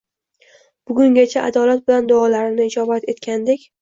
bugungacha adolat bilan duolarimni ijobat etganingdek